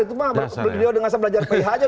itu mah beliau dengan asal belajar ph aja